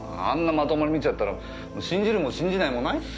まともに見ちゃったら信じるも信じないもないっすよ。